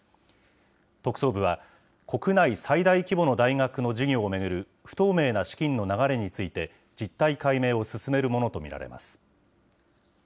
特捜部は、国内最大規模の大学の事業を巡る不透明な資金の流れについて、実態解明を進めるものと見られます。